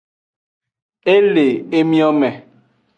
E le emiome.